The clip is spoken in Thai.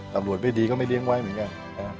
ตำรวจไม่ดีก็ไม่เลี้ยงไว้เหมือนกัน